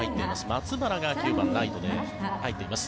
松原が９番ライトで入っています。